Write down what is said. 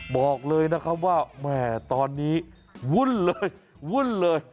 บอกเลยนะครับว่าแหมตอนนี้วุ่นเลย